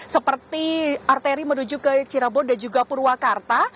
seperti arteri menuju ke cirebon dan juga purwakarta